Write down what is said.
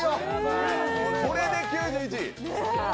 これで９１？